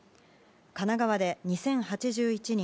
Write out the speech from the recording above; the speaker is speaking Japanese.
神奈川で２０８１人